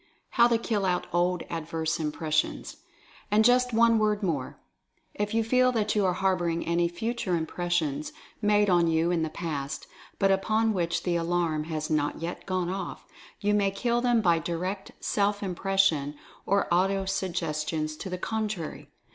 HOW TO KILL OUT OLD ADVERSE IMPRESSIONS. And, just one word more. If you feel that you are harboring any Future Impressions made on you in the past, but upon which the Alarm has not yet gone off, you may kill them by direct Self Impression, or Auto suggestions to the contrary.